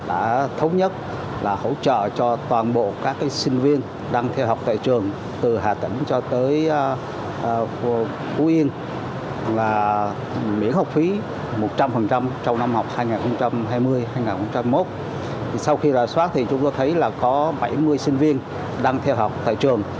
và sẽ có một số tân sinh viên đang đăng ký nhập học tại trường với các sinh viên đang học tại trường